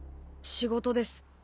仕事です